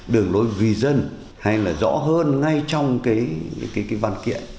đường lối vì dân hay là rõ hơn ngay trong cái văn kiện